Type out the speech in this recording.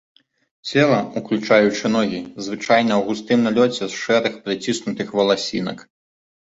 Цела, уключаючы ногі, звычайна ў густым налёце з шэрых прыціснутых валасінак.